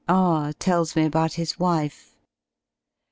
R tells me about his wife.